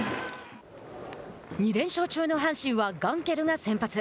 ２連勝中の阪神はガンケルが先発。